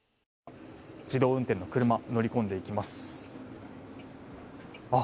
自動運転の車乗り込んでいきます。